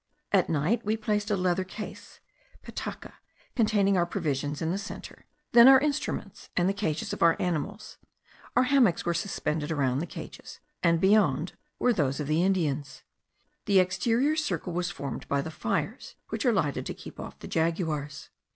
At night we placed a leather case (petaca), containing our provisions, in the centre; then our instruments, and the cages of our animals; our hammocks were suspended around the cages, and beyond were those of the Indians. The exterior circle was formed by the fires which are lighted to keep off the jaguars.